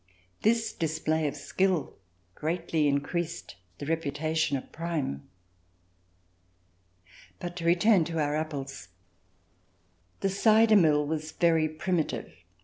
This display of skill greatly increased the reputation of Prime. But to return to our apples. The cider mill was very primitive.